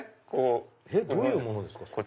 どういうものですか？